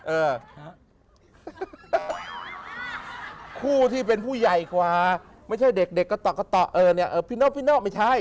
เออคู่ที่เป็นผู้ใหญ่กว่าไม่ใช่เด็กกระต่อเออเนี่ยพี่โน่พี่โน่ไม่ใช่